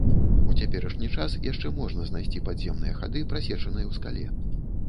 У цяперашні час яшчэ можна знайсці падземныя хады, прасечаныя ў скале.